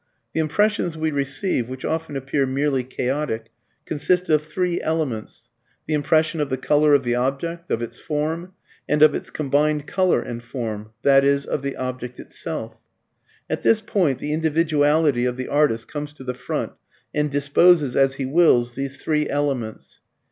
The impressions we receive, which often appear merely chaotic, consist of three elements: the impression of the colour of the object, of its form, and of its combined colour and form, i.e. of the object itself. At this point the individuality of the artist comes to the front and disposes, as he wills, these three elements.